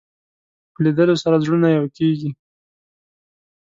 په لیدلو سره زړونه یو کېږي